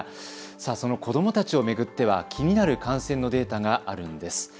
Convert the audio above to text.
その子どもたちを巡っては気になる感染のデータがあるんです。